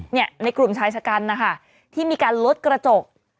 ในกลุ่มชายชะกันนะคะที่มีการลดกระจก